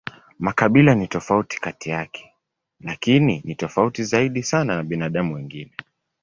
Makabila ni tofauti kati yake, lakini ni tofauti zaidi sana na binadamu wengine.